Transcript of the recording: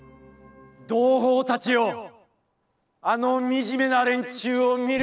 「同胞たちよ、あのみじめな連中を見るがいい！